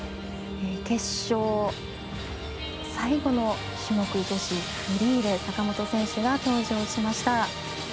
決勝、最後の種目女子フリーで坂本選手が登場しました。